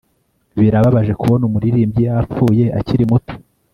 Birababaje kubona umuririmbyi yapfuye akiri muto